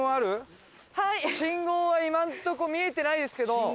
信号は今のとこ見えてないですけど。